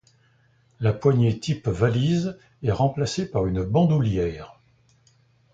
La poignée type valise est remplacée par une bandoulière.